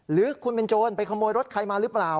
หรือคุณเป็นโจรไปขโมยรถใครมาหรือเปล่า